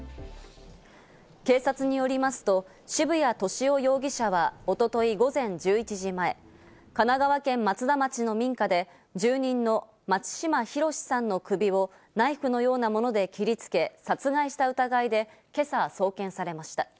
警察によりますと、渋谷寿男容疑者は一昨日の午前１１時前、神奈川県松田町の民家で、住人の松島浩さんの首をナイフのようなもので切りつけ殺害した疑いで今朝送検されました。